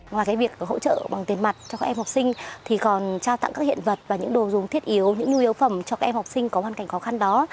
ngoài việc hỗ trợ bằng tiền mặt cho các em học sinh thì còn trao tặng các hiện vật và những đồ dùng thiết yếu những nhu yếu phẩm cho các em học sinh có hoàn cảnh khó khăn đó